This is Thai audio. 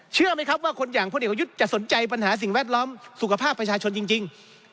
เชื่อไหมครับว่าคนอย่างพลเอกประยุทธ์จะสนใจปัญหาสิ่งแวดล้อมสุขภาพประชาชนจริง